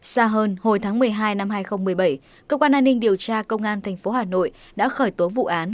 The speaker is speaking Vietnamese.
xa hơn hồi tháng một mươi hai năm hai nghìn một mươi bảy cơ quan an ninh điều tra công an tp hà nội đã khởi tố vụ án